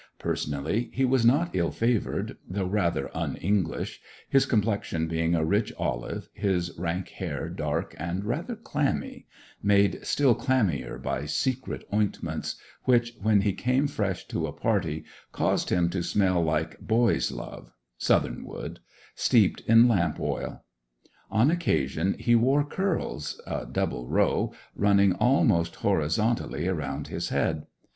Personally he was not ill favoured, though rather un English, his complexion being a rich olive, his rank hair dark and rather clammy—made still clammier by secret ointments, which, when he came fresh to a party, caused him to smell like 'boys' love' (southernwood) steeped in lamp oil. On occasion he wore curls—a double row—running almost horizontally around his head.